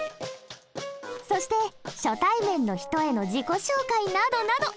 そして初対面の人への自己紹介などなど。